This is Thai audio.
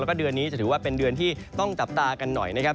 แล้วก็เดือนนี้จะถือว่าเป็นเดือนที่ต้องจับตากันหน่อยนะครับ